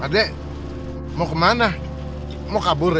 ade mau kemana mau kabur ya